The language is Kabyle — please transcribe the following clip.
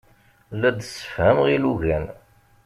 La d-ssefhameɣ ilugan.